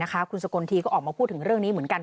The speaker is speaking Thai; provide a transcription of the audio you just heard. คุณสกลทีก็ออกมาพูดถึงเรื่องนี้เหมือนกัน